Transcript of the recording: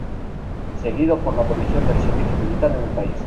Seguido por la abolición del servicio militar en el país.